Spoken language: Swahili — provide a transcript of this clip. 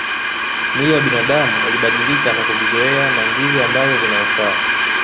Mwili wa binadamu ulibadilika na kuvizoea na ndivyo ambavyo vinaufaa